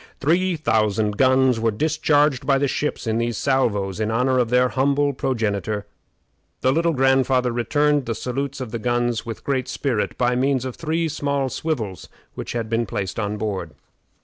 Three thousand guns were discharged by the ships in these salvos in honor of their humble progenitor. The Little Grandfather returned the salutes of the guns with great spirit by means of three small swivels which had been placed on board.